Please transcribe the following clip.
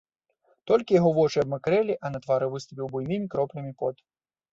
Толькі яго вочы абмакрэлі, а на твары выступіў буйнымі кроплямі пот.